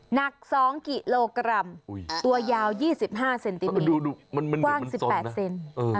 หนักสองกิโลกรัมตัวยาว๒๕เซนติเมตรดูมันเหมือนมันซนนะ